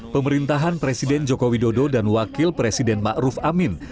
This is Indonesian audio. pemerintahan presiden jokowi dodo dan wakil presiden ma'ruf amin